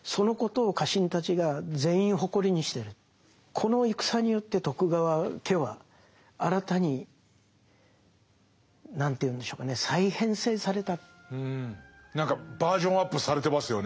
この戦によって徳川家は新たに何ていうんでしょうかね何かバージョンアップされてますよね。